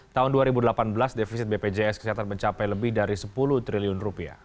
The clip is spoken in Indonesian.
tahun dua ribu delapan belas defisit bpjs kesehatan mencapai lebih dari rp sepuluh triliun